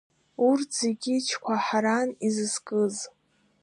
Урҭ зегьы чкәаҳаран изызкыз.